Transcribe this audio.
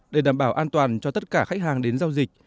để đảm bảo an toàn cho tất cả khách hàng đến giao dịch